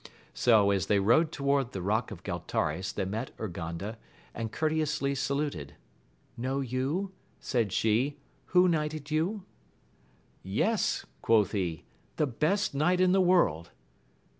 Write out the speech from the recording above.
So as they rode toward the rock of Graltares they met Urganda, and courte ously saluted. ELnow you, said she, who knighted you ? Yes, quoth he, the best knight in the world.